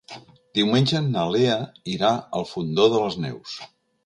Diumenge na Lea irà al Fondó de les Neus.